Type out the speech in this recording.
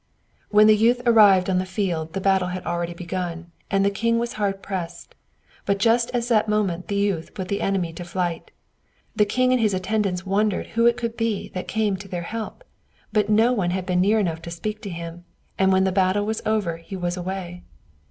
When the youth arrived on the field the battle had already begun, and the king was hard pressed; but just at that moment the youth put the enemy to flight. The king and his attendants wondered who it could be that came to their help; but no one had been near enough to speak to him, and when the battle was over he was away.